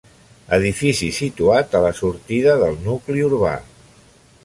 Edifici situat a la sortida del nucli urbà.